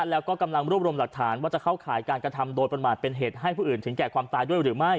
แล้วก็กำลังรวบรวมหลักฐานว่าจะเข้าข่ายการกระทำโดยประมาทเป็นเหตุให้ผู้อื่นถึงแก่ความตายด้วยหรือไม่